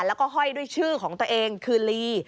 แล้วก็ห้อยด้วยชื่อของตัวเองคือลี